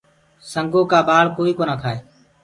سنگو ڪآ ٻآݪ ڪوئي ڪونآ کآئي۔